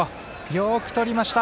よくとりました。